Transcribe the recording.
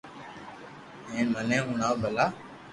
ھين مني ھڻاو ڀلا